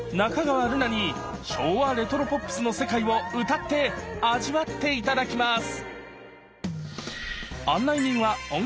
瑠夏に昭和レトロポップスの世界を歌って味わって頂きます